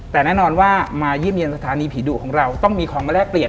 แต่แน่นอนว่ามาเยี่ยมเยี่ยมสถานีผีดุของเราต้องมีของมาแลกเปลี่ยน